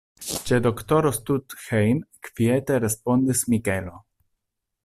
Ĉe doktoro Stuthejm, kviete respondis Mikelo.